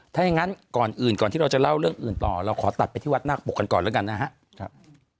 ถ้าอย่างนั้นก่อนอื่นก่อนที่เราจะเล่าเรื่องอื่นต่อเราขอตัดไปที่วัดนาคปกกันก่อนแล้วกันนะครับ